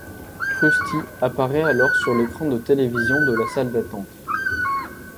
Krusty apparaît alors sur l'écran de télévision de la salle d'attente.